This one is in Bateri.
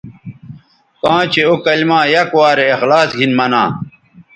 کاں چہء او کلما یک وارے اخلاص گھن منا